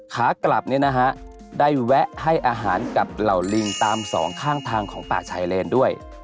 ขากลับเนี่ยนะฮะได้แวะให้อาหารกับเหล่าลิงตามสองข้างทางของป่าชายเลนด้วย